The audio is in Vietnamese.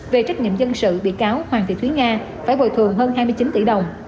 về trách nhiệm dân sự bị cáo hoàng thị thúy nga phải bồi thường hơn hai mươi chín tỷ đồng